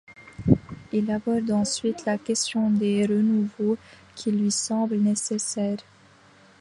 Il aborde ensuite la question des renouveaux qui lui semblent nécessaires.